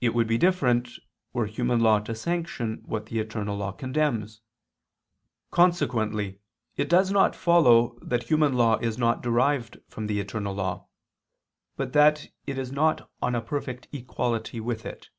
It would be different, were human law to sanction what the eternal law condemns. Consequently it does not follow that human law is not derived from the eternal law, but that it is not on a perfect equality with it.